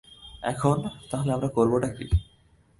এখন, তাহলে আমরা করবটা কী?